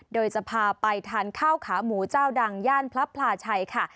โดยจะพาไปทานข้าวขาหมูเจ้าดังย่านพระพลาชัยค่ะ